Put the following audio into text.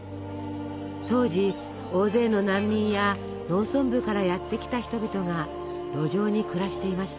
当時大勢の難民や農村部からやって来た人々が路上に暮らしていました。